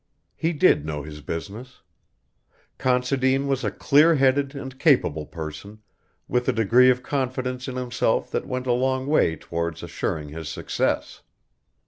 He did know his business. Considine was a clear headed and capable person with a degree of confidence in himself that went a long way towards assuring his success.